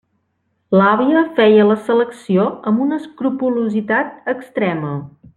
L'àvia feia la selecció amb una escrupolositat extrema.